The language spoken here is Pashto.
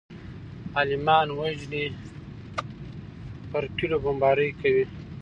عالمان وژني پر کليو بمبارۍ کوي.